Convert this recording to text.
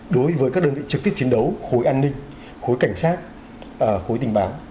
đối với các đơn vị trực tiếp chiến đấu khối an ninh khối cảnh sát khối tình báo